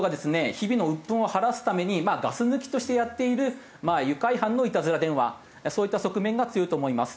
日々の鬱憤を晴らすためにガス抜きとしてやっている愉快犯のいたずら電話そういった側面が強いと思います。